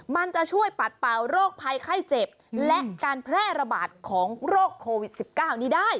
มันจะช่วยปัดเป่าโรคภัยไข้เจ็บและการแพร่ระบาดของโรคโควิด๑๙นี้ได้